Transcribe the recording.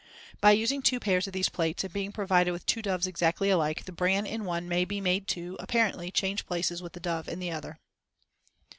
By using two pairs of these plates, and being provided with two doves exactly alike, the bran in one may be made to, apparently, change places with the dove in the other.